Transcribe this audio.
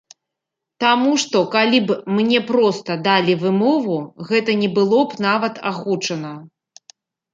Таму што калі б мне проста далі вымову, гэта не было б нават агучана.